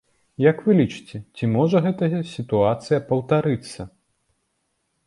Як вы лічыце, ці можа гэтая сітуацыя паўтарыцца?